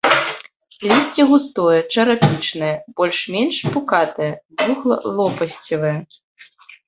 Лісце густое, чарапічнае, больш-менш пукатае, двухлопасцевае.